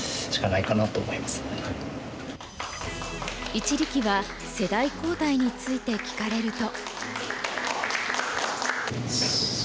一力は世代交代について聞かれると。